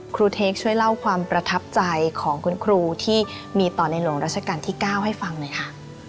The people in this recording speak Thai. เทคช่วยเล่าความประทับใจของคุณครูที่มีต่อในหลวงราชการที่๙ให้ฟังหน่อยค่ะ